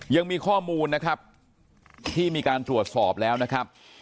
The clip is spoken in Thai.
ยังมีข้อมูลนะครับที่มีการตรวจสอบแล้วนะครับ